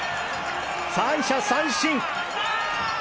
三者三振！